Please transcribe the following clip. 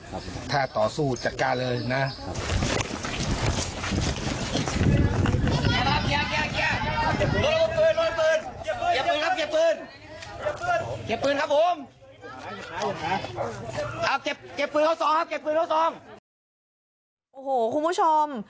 โอ้โหคุณผู้ชม